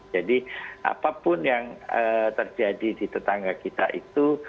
jadi apapun yang terjadi di tetangga kita itu